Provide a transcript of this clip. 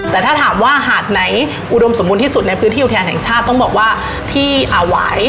แต่ถ้าถามว่าหาดไหนอุดมสมบูรณ์ที่สุดในพื้นที่อุทยานแห่งชาติต้องบอกว่าที่ไหว